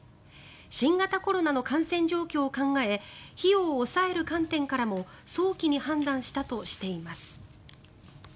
新型コロナの感染状況を考え費用を抑える観点からも早期に判断したとしています。